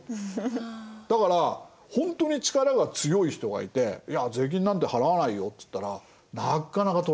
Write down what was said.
だからほんとに力が強い人がいて「いや税金なんて払わないよ」つったらなっかなか取れないんです。